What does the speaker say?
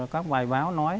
các bài báo nói